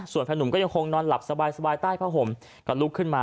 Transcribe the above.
ส่วนพนุ่มก็ยังคงนอนหลับสบายใต้ผ้าห่มก็ลุกขึ้นมา